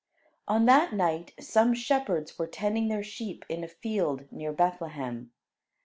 On that night, some shepherds were tending their sheep in a field near Bethlehem.